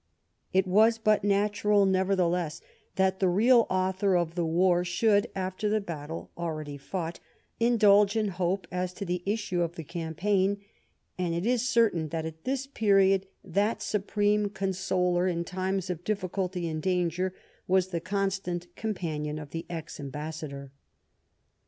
It was but natural, nevertheless, that the real author of the war should, after the battle already fought, indulge in hope as to the issue of the campaign, and it is certain that at this period that supreme consoler in times of difficulty and danger was the constant companion of the ex ambassador.